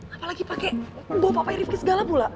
apalagi pake bapak bapak rifki segala pula